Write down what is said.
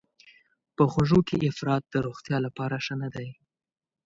په خوږو کې افراط د روغتیا لپاره ښه نه دی.